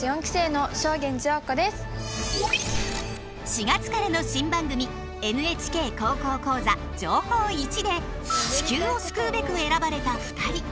４月からの新番組「ＮＨＫ高校講座情報Ⅰ」で地球を救うべく選ばれた２人。